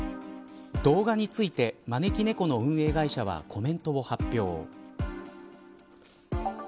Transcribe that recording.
動画についてまねきねこの運営会社はコメントを発表。